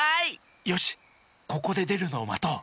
よしここででるのをまとう。